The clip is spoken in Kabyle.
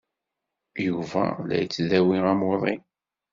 Yuba la yettdawi amuḍin.